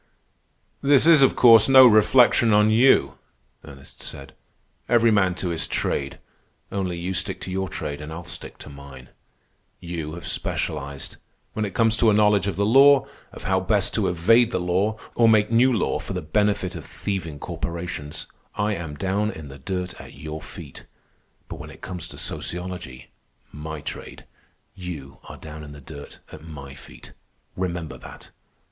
"This is, of course, no reflection on you," Ernest said. "Every man to his trade. Only you stick to your trade, and I'll stick to mine. You have specialized. When it comes to a knowledge of the law, of how best to evade the law or make new law for the benefit of thieving corporations, I am down in the dirt at your feet. But when it comes to sociology—my trade—you are down in the dirt at my feet. Remember that.